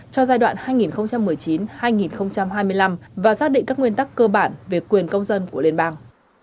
cho giai đoạn hai nghìn một mươi chín hai nghìn hai mươi năm và xác định các nguyên tắc cơ bản về quyền công dân của liên bang